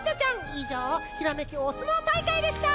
いじょう「ひらめきおすもうたいかい！」でした。